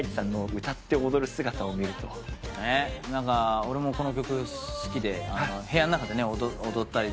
俺もこの曲好きで部屋の中で踊ったり。